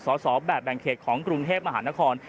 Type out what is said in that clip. สอบแบบแบ่งเขตของกรุงเทพมหานคร